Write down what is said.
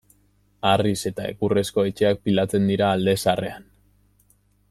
Harriz eta egurrezko etxeak pilatzen dira alde zaharrean.